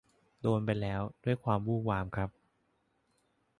โดนไปแล้วด้วยความวู่วามครับ